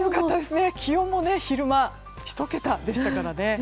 気温も昼間１桁でしたからね。